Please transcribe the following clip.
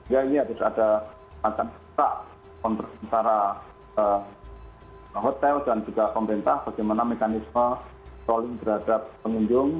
ya ini harus ada macam antara hotel dan juga pemerintah bagaimana mekanisme trolling terhadap pengunjung